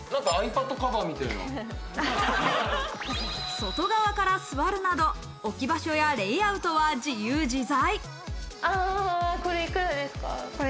外側から座るなど、置き場所やレイアウトは自由自在。